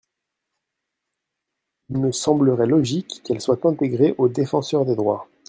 Il me semblerait logique qu’elle soit intégrée au Défenseur des droits.